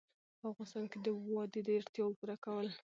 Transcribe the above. په افغانستان کې د وادي د اړتیاوو پوره کولو لپاره اقدامات کېږي.